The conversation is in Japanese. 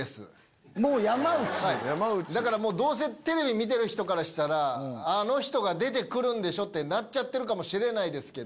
テレビ見てる人からしたら「あの人が出て来るんでしょ」ってなっちゃってるかもしれない。